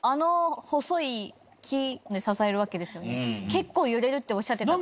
結構揺れるっておっしゃってたから。